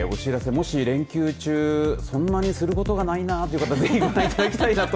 もし連休中そんなにすることがないなという方ぜひご覧いただきたいなと。